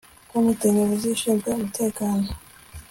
komite nyobozi ishinzwe umutekano